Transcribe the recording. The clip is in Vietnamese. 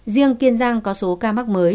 riêng kiên giang có số ca mắc mới